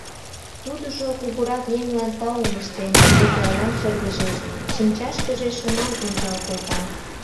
Тудыжо, кугурак еҥлан таум ыштен, Миклайлан шыргыжеш, шинчашкыже шыман ончал колта.